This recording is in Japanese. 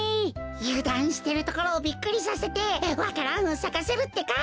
ゆだんしてるところをビックリさせてわか蘭をさかせるってか。